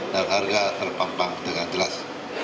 dan harga terpampang dengan jelas